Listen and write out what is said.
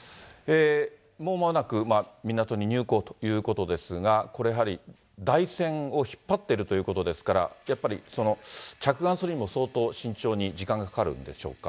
もうまもなく港に入港ということですが、これ、やはり台船を引っ張ってるということですから、やっぱり着岸するにも相当慎重に時間がかかるんでしょうか。